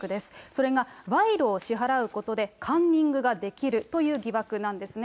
それが賄賂を支払うことでカンニングができるという疑惑なんですね。